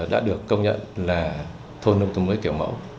đã được công nhận là thôn nông tù mới kiểu mẫu